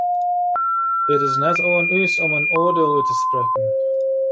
It is net oan ús om in oardiel út te sprekken.